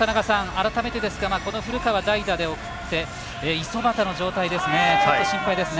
改めて、古川、代打で送って五十幡の状態ちょっと心配ですね。